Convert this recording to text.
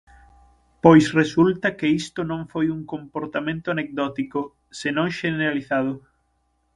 Pois resulta que isto non foi un comportamento anecdótico, senón xeneralizado.